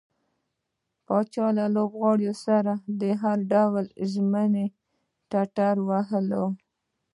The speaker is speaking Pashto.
پاچا له لوبغاړو سره د هر ډول ژمنې ټټر واوهه.